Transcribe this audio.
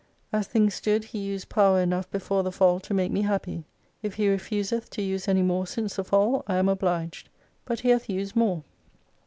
As things stood. He used power enough before the faU to make me happy. If He refuseth to use any more since the fall, I am obliged. But He hath used more.